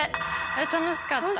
あれ楽しかった。